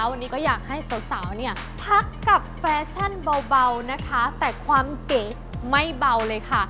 วันนี้ก็อยากให้สาวเนี่ยพักกับแฟชั่นเบานะคะแต่ความเก๋ไม่เบาเลยค่ะ